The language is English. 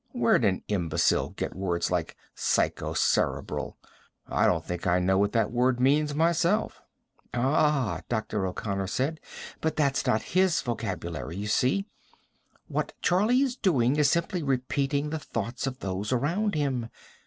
"Where'd an imbecile get words like 'psychocerebral'? I don't think I know what that means, myself." "Ah," Dr. O'Connor said. "But that's not his vocabulary, you see. What Charlie is doing is simply repeating the thoughts of those around him.